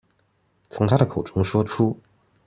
從他的口中說出